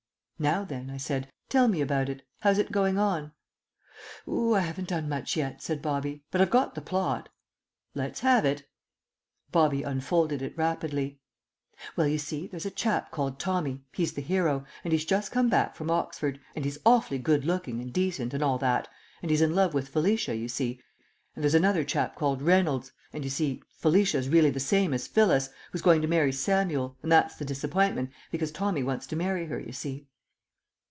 "Now then," I said, "tell me about it. How's it going on?" "Oo, I haven't done much yet," said Bobby. "But I've got the plot." "Let's have it." Bobby unfolded it rapidly. "Well, you see, there's a chap called Tommy he's the hero and he's just come back from Oxford, and he's awfully good looking and decent and all that, and he's in love with Felicia, you see, and there's another chap called Reynolds, and, you see, Felicia's really the same as Phyllis, who's going to marry Samuel, and that's the disappointment, because Tommy wants to marry her, you see."